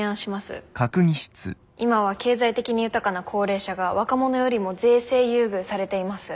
今は経済的に豊かな高齢者が若者よりも税制優遇されています。